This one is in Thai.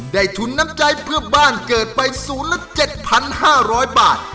ทุนน้ำใจเพื่อบ้านเกิดไปศูนย์ละ๗๕๐๐บาท